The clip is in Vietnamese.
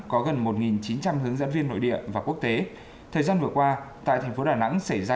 có gần một chín trăm linh hướng dẫn viên nội địa và quốc tế thời gian vừa qua tại thành phố đà nẵng xảy ra